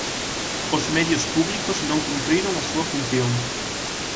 Os medios públicos non cumpriron a súa función.